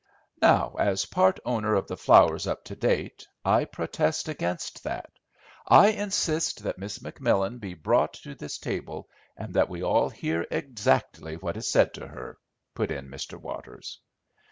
"Now, as part owner in the flowers up to date, I protest against that. I insist that Miss McMillan be brought to this table, and that we all hear exactly what is said to her," put in Mr. Waters.